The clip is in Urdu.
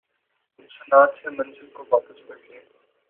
نقصانات سے منگل کو واپس پلٹے